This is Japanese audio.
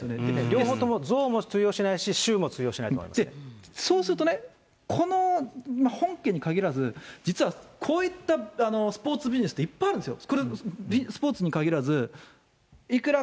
両方とも、ぞうも通用しないし、そうするとね、この本件に限らず、実はこういったスポーツビジネスっていっぱいあるんですよ。